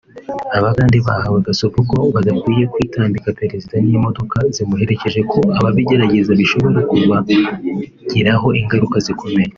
Abagande bahawe gasopo ko badakwiye kwitambika perezida n’imodoka zimuherekeje ko ababigerageza bishobora kubagiraho ingaruka zikomeye